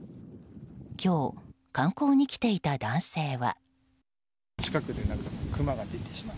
今日、観光に来ていた男性は。